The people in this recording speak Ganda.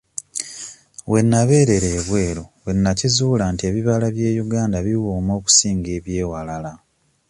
We nabeerera ebweru we nakizuulira nti ebibala by'e Uganda biwooma okusinga eby'ewalala.